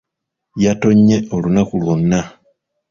Yatonnye olunaku lwonna.